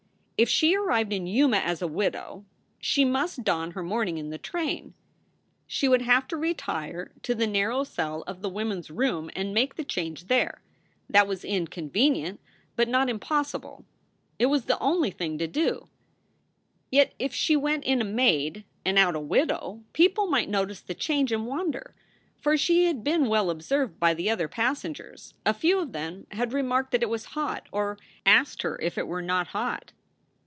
If she arrived in Yuma as a widow she must don her mourn ing in the train. She would have to retire to^ the narrow io 4 SOULS FOR SAL f E cell of the women s room and make the change there. That was inconvenient, but not impossible, It was the only thing to do. Yet if she went in a maid and out a widow, people might notice the change and wonder; for she had been well observed by the other passengers. A few of them had remarked that it was hot, or asked her if it were not hot.